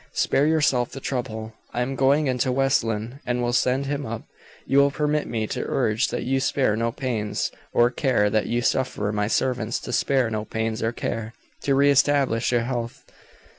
"Spare yourself the trouble. I am going into West Lynne, and will send him up. You will permit me to urge that you spare no pains or care, that you suffer my servants to spare no pains or care, to re establish your health.